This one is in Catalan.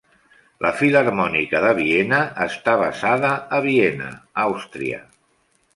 La filharmònica de Viena està basada a Viena, Àustria.